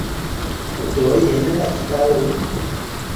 Do jen la kialo!